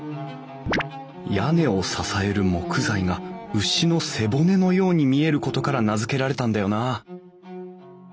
屋根を支える木材が牛の背骨のように見えることから名付けられたんだよなあ